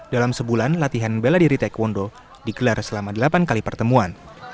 dalam sebulan latihan bela diri taekwondo dikelar selama delapan kali pertemuan